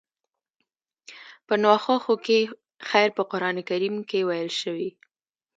په ناخوښو کې خير په قرآن کريم کې ويل شوي.